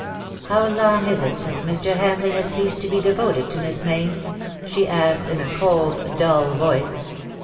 '' How long is it since Mr. Hamleigh has ceased to be devoted to Miss Mayne ?" she asked, in a cold, dull voice.